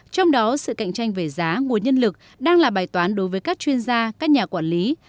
trong đó sự cạnh tranh về giá nguồn nhân lực đang là bài toán đối với các chuyên gia các nhà quản lý